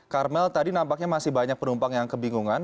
karmel tadi nampaknya masih banyak penumpang yang kebingungan